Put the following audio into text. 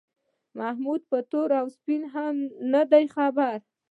محمود په تور او سپین هم نه دی خبر.